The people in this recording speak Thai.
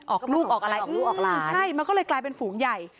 ออกลูกออกอะไรอีกใช่มันก็เลยกลายเป็นฝูงใหญ่